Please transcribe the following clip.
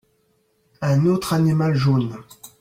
Un autre animal jaune.